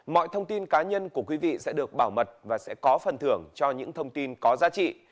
mọi thông tin cá nhân của quý vị sẽ được bảo mật và sẽ có phần thưởng cho những thông tin có giá trị